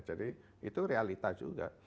jadi itu realita juga